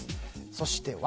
そして「わ」。